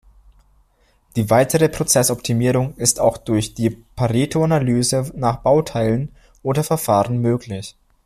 Die weitere Prozessoptimierung ist auch durch die Pareto-Analyse nach Bauteilen oder Verfahren möglich.